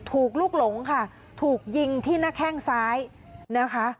ลูกหลงค่ะถูกยิงที่หน้าแข้งซ้ายนะคะ